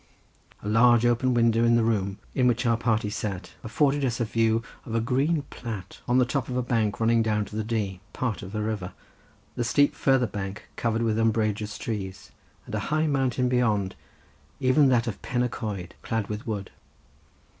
A large open window in the room, in which our party sat, afforded us a view of a green plat on the top of a bank running down to the Dee, part of the river, the steep farther bank covered with umbrageous trees, and a high mountain beyond, even that of Pen y Coed clad with wood.